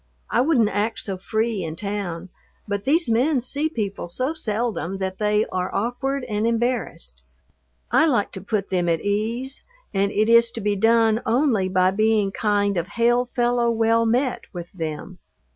I wouldn't act so free in town, but these men see people so seldom that they are awkward and embarrassed. I like to put them at ease, and it is to be done only by being kind of hail fellow well met with them.